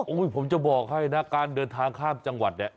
ผมจะบอกให้นะการเดินทางข้ามจังหวัดเนี่ย